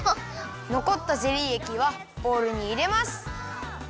のこったゼリーえきはボウルにいれます。